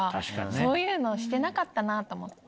そういうのしてなかったなと思って